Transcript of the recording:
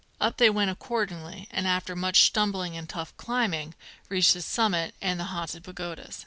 Up they went accordingly, and after much stumbling and tough climbing, reached the summit and the Haunted Pagodas.